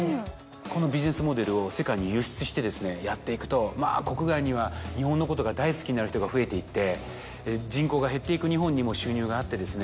このビジネスモデルを世界に輸出してやっていくとまぁ国外には日本のことが大好きになる人が増えていって人口が減っていく日本にも収入があってですね。